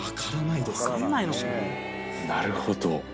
なるほど。